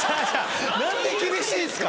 何で厳しいんですか。